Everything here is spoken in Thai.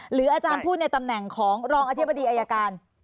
หรืออาจารย์พูดในตำแหน่งของรองอธิบดีอายการ